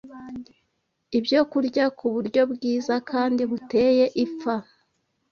ibyokurya ku buryo bwiza kandi buteye ipfa